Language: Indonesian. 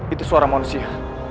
itu suara manusia